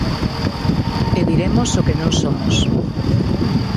E diremos o que non somos.